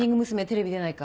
テレビ出ないか。